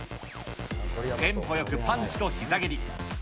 テンポよくパンチとひざ蹴り。